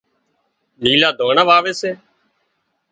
نيلُا ڌانڻا واوي سي